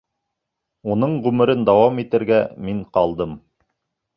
Уның ғүмерен дауам итергә мин ҡалдым.